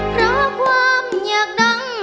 เพราะความอยากดัง